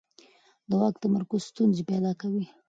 د واک تمرکز ستونزې پیدا کوي